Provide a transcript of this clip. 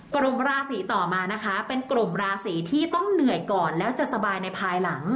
กลุ่มราศีต่อมานะคะเป็นกลุ่มราศีที่ต้องเหนื่อยก่อนแล้วจะสบายในภายหลัง